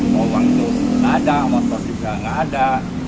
bahwa uang itu tidak ada motor juga tidak ada